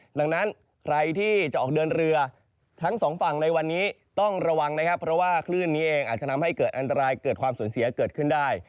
ดังนั้นใครที่จะออกเดินเรือทั้งสองฝั่งในวันนี้ต้องระวังนะครับเพราะว่าคลื่นนี้เองอาจจะทำให้เกิดอันตรายเกิดความสูญเสียเกิดขึ้นได้